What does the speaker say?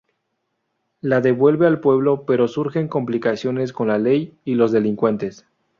La devuelve al pueblo, pero surgen complicaciones con la ley y los delincuentes...